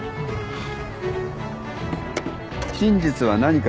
真実は何か。